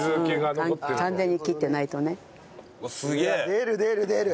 出る出る出る。